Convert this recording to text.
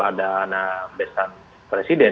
ada anabesan presiden